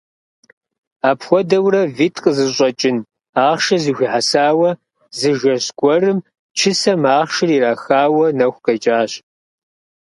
Апхуэдэурэ витӀ къызыщӀэкӀын ахъшэ зэхуихьэсауэ, зы жэщ гуэрым чысэм ахъшэр ирахауэ нэху къекӀащ.